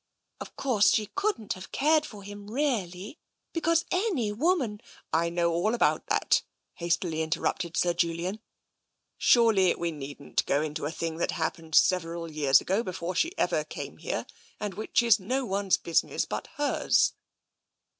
Of course, she couldn't have cared for him really, because any woman "" I know all about that," hastily interrupted Sir Julian. " Surely we needn't go into a thing that hap pened several years ago before she ever came here, and which is no one's business but hers."